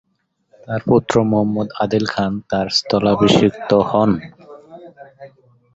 তার পুত্র মুহাম্মদ আদিল খান তার স্থলাভিষিক্ত হন।